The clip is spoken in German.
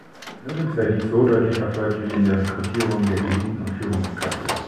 Nirgends sei dies so deutlich erfolgt wie in der Rekrutierung der Eliten und Führungskräfte.